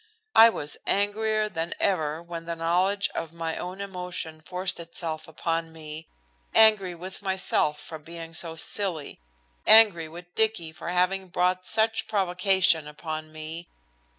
I was angrier than ever when the knowledge of my own emotion forced itself upon me, angry with myself for being so silly, angry with Dicky for having brought such provocation upon me!